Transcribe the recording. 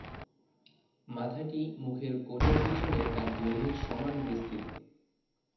মাথাটি মুখের কোণের পিছনে তার দৈর্ঘ্যের সমান বিস্তৃত।